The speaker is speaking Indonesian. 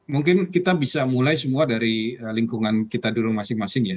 mungkin kita bisa mulai semua dari lingkungan kita dulu masing masing ya